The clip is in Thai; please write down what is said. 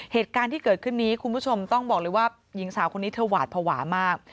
เหตุการณ์ที่เกิดขึ้นนี้คุณผู้ชมต้องบอกเลยว่าหญิงสาวคนนี้เธอหวาดภาวะมาก